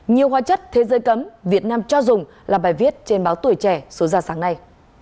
nhiều hóa chất thế giới cấm việt nam cho dùng là bài viết trên báo tuổi trẻ số ra sáng nay